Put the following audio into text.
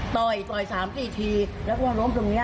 ต่อยต่อยสามสี่ทีแล้วก็ล้มตรงเนี้ย